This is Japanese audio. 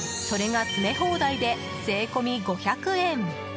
それが詰め放題で税込み５００円。